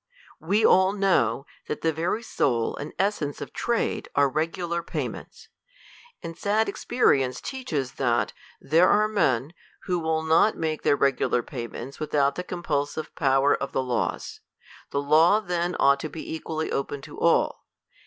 We all knovr, that the very soul and essence of trade are regular payments ; and sad experience teaches us tha THE COLUMBIAN ORATOR. 95 that there are men, who will not make their regular payments without the compulsive power of the laws. The law then ought to be equally open to all.